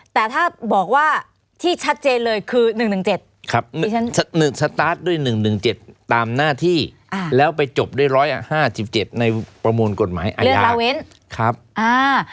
แต่ถ้าบอกว่าที่ชัดเจนเลยคือ๑๑๗ครับสตาร์ทด้วย๑๑๗ตามหน้าที่แล้วไปจบด้วย๑๕๗ในประมวลกฎหมายอาญา